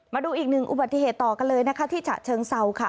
มาดูอีกหนึ่งอุบัติเหตุต่อกันเลยนะคะที่ฉะเชิงเซาค่ะ